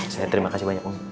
saya terima kasih banyak